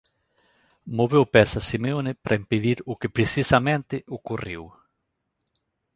Moveu pezas Simeone para impedir o que precisamente ocorreu.